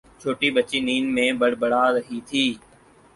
چھوٹی بچی نیند میں بڑبڑا رہی تھی